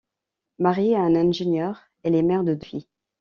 Mariée à un ingénieur, elle est mère de deux filles.